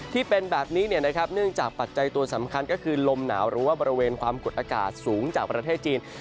ที่เป็นแบบนี้เนื่องจากปัจจัยตัวสำคัญก็คือลมหนาวหรือว่าบริเวณความกดอากาศสูงจากประเทศจีน